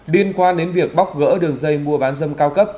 liên quan đến việc bóc gỡ đường dây mua bán dâm cao cấp